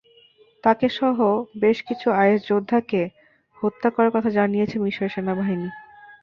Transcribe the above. তাঁকেসহ বেশ কিছু আইএস যোদ্ধাকে হত্যা করার কথা জানিয়েছে মিসরের সেনাবাহিনী।